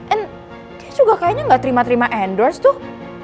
and dia juga kayaknya gak terima terima endorse tuh